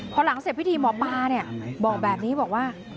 พอหลังเสร็จพิธีหมอปลาบอกแบบนี้บอกว่า